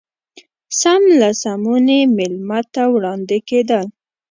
سم له سمونې مېلمه ته وړاندې کېدل.